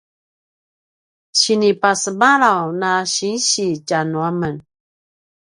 sinipasemalaw na sinsi tja nuamen